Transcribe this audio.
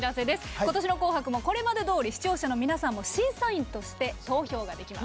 今年の「紅白」も視聴者の皆さんも審査員として投票ができます。